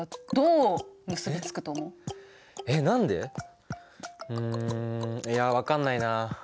うんいや分かんないな。